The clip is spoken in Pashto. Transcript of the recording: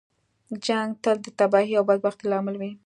جنګ تل د تباهۍ او بدبختۍ لامل وي.